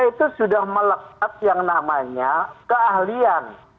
sekarang ini dia melakukan kelekat yang namanya keahlian